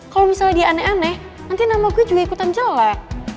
kalau misalnya dia aneh aneh nanti nama gue juga ikutan jelek